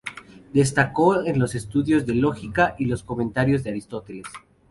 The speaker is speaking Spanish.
Destacó en los estudios de lógica y en los comentarios a Aristóteles.